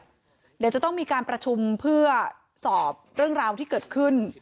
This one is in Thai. เดี๋ยวจะต้องมีการประชุมเพื่อสอบเรื่องราวที่เกิดขึ้น